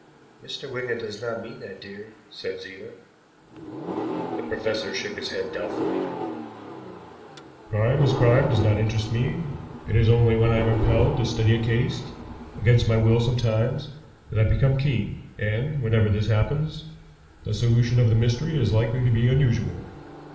"Mr. Wigan does not mean that, dear," said Zena. The professor shook his head doubtfully. "Crime as crime does not interest me. It is only when I am impelled to study a case, against my will sometimes, that I become keen; and, whenever this happens, the solution of the mystery is likely to be unusual.